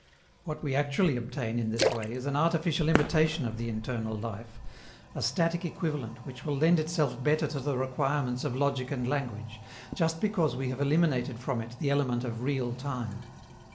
What we actually obtain in this way is an artificial imitation of the internal life, a static equivalent which will lend itself better to the requirements of logic and language, just because we have eliminated from it the element of real time.